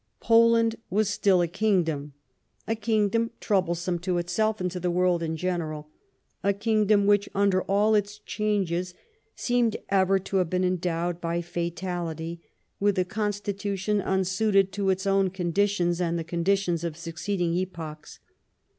Poland was still a kingdom — a kingdom troublesome to itself and to the world in general ; a kingdom w'hich under all its changes seemed ever to have been endowed bv fatalitv with a constitution unsuited to its own con ditions and the conditions of succeeding epochs.